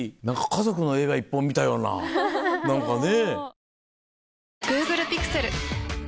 家族の映画１本見たような何かね。